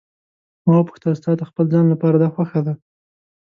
ما وپوښتل: ستا د خپل ځان لپاره دا خوښه ده.